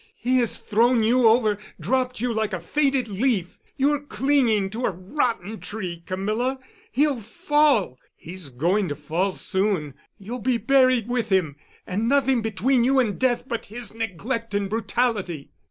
He has thrown you over, dropped you like a faded leaf. You're clinging to a rotten tree, Camilla. He'll fall. He's going to fall soon. You'll be buried with him—and nothing between you and death but his neglect and brutality."